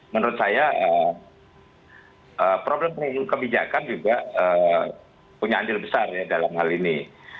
menurut saya problem problem kebijakan juga punya andil besar ya dalam hal ini